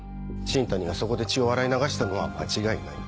新谷がそこで血を洗い流したのは間違いない。